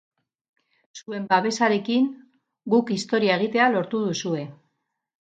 Zuen babesarekin guk historia egitea lortu duzue.